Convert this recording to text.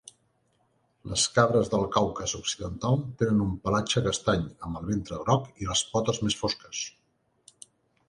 Les cabres del Caucas occidental tenen un pelatge castany amb el ventre groc i les potes més fosques.